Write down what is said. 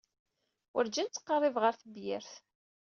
Werǧin ttqerribeɣ ɣer tebyirt.